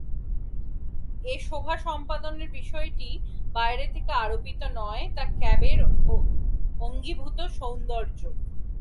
এ শোভা সম্পাদনের বিষয়টি বাইরে থেকে আরোপিত নয়, তা কাব্যের অঙ্গীভূত সৌন্দর্য।